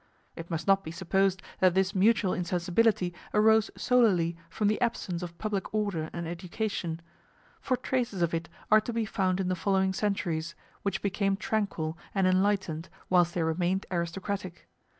It must not be supposed that this mutual insensibility arose solely from the absence of public order and education; for traces of it are to be found in the following centuries, which became tranquil and enlightened whilst they remained aristocratic.